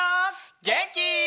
げんき？